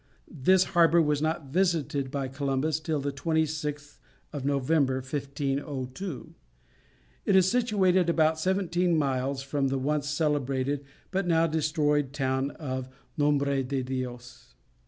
This harbour was not visited by Columbus till the 26th of November, 1502; it is situated about seventeen miles from the once celebrated, but now destroyed town of Nombre de Dios.